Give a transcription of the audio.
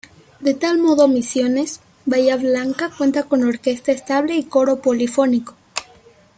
De tal modo Misiones, Bahía Blanca cuenta con orquesta estable y coro polifónico.